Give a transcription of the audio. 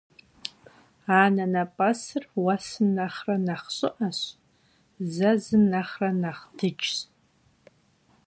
Anenep'esır vuesım nexhre nexh ş'ı'eş, zezım nexhre nexh dıcş.